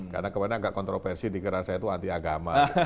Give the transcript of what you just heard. karena kemarin agak kontroversi dikira saya itu antiagama